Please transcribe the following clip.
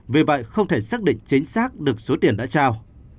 vì vậy không thể xác định chính xác được số tiền đã trao